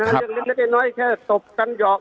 เรื่องเล็กเล็กเล็กเล็กน้อยแค่ตบกันหยอก